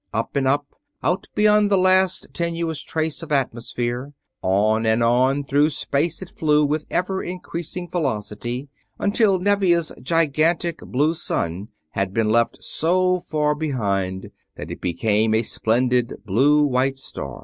Up and up, out beyond the last tenuous trace of atmosphere, on and on through space it flew with ever increasing velocity until Nevia's gigantic blue sun had been left so far behind that it became a splendid blue white star.